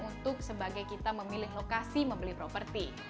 untuk sebagai kita memilih lokasi membeli properti